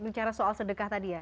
bicara soal sedekah tadi ya